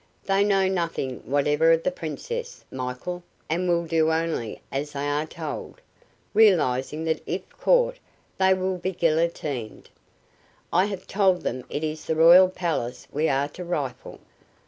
They know nothing whatever of the Princess, Michael, and will do only as they are told, realizing that if caught they will be guillotined. I have told them it is the royal palace we are to rifle.